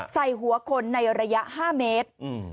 ใส่หัวคนในระยะ๕เมตร